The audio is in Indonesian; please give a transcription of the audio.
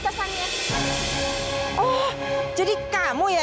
berat terkacau pating bang crime biaya